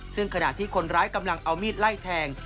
ซึ่งขณะที่คนร้ายกำลังเอามีดไล่แทง